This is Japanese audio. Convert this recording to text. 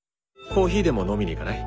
コーヒーでも飲みに行かない？